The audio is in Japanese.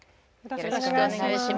よろしくお願いします。